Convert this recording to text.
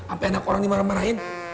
apa anak orang dimarahin